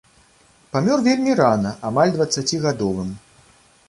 Памёр вельмі рана, амаль дваццацігадовым.